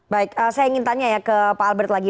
baik saya ingin tanya ya ke pak albert lagi